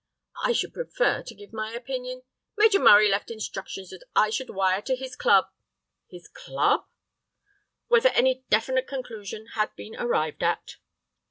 "I should prefer to give my opinion—" "Major Murray left instructions that I should wire to his club—" "His club?" "Whether any definite conclusion had been arrived at."